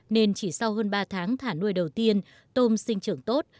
nên chỉ sau hơn ba tháng thả nuôi đầu tiên tôm sinh trưởng tốt